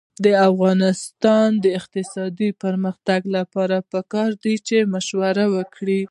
د افغانستان د اقتصادي پرمختګ لپاره پکار ده چې مشوره وکړو.